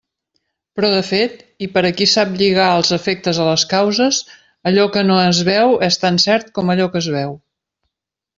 Però, de fet, i per a qui sap lligar els efectes a les causes, allò que no es veu és tan cert com allò que es veu.